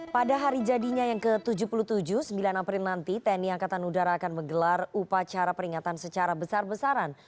pada hari jadinya yang ke tujuh puluh tujuh sembilan april nanti tni angkatan udara akan menggelar upacara peringatan secara besar besaran